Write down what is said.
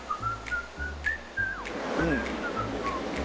うん。